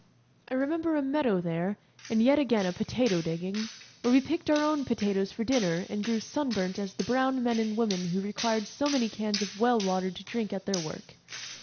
I remember a meadow there, and yet again a potato digging, where we picked our own potatoes for dinner and grew sun burnt as the brown men and women who required so many cans of well water to drink at their work.